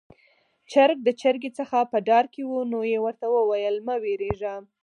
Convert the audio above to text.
چرګ د چرګې څخه په ډار کې وو، نو يې ورته وويل: 'مه وېرېږه'.